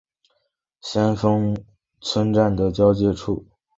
先锋村站的交界处。